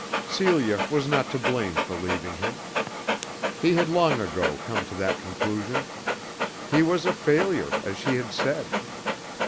Celia was not to blame for leaving him. He had long ago come to that conclusion. He was a failure, as she had said.